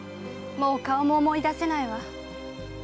もう顔も思い出せないわ。